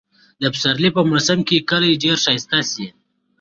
د پسرلي په موسم کې کلى ډېر ښايسته شي.